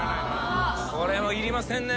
これもいりませんね。